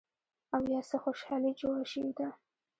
او يا څه خوشحالي جوړه شوې ده